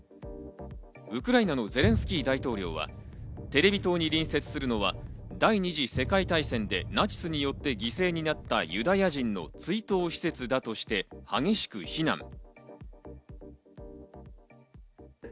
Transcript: ウクライナのゼレンスキー大統領はテレビ塔に隣接するのは第２次世界大戦でナチスによって犠牲になったユダヤ人の追悼施設だとして、激しく非難。